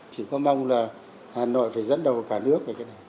chỉ có mong là hà nội phải dẫn đầu cả nước